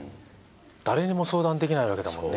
誰にも相談できないわけだもんね。